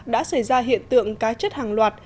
đã xảy ra hiện tượng cá chất hàng loạt